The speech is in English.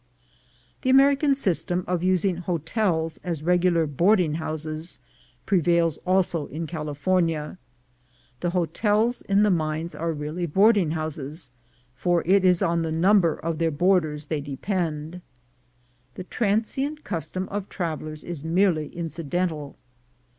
The American system of using hotels as regular boarding houses prevails also in California. The hotels in the mines are really boarding houses, for it is on the number of their boarders they depend. The GOLD IS WHERE YOU FIND IT 169 transient custom of travelers Is merely incidental.